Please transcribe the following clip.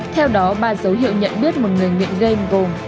theo đó ba dấu hiệu nhận biết một người nghiện game gồm